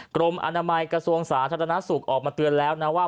กรมอนามัยกระทรวงสาธารณสุขออกมาเตือนแล้วนะว่า